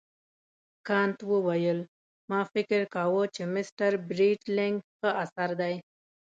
کانت وویل ما فکر کاوه چې مسټر برېټلنیګ ښه اثر دی.